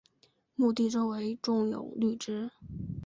墓地周围种有绿植。